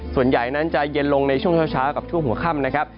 ส่วนใหญ่นั้นจะเย็นลงในช่วงเช้ากับช่วงหัวค่ำนะครับ